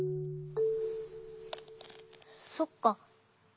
そっか。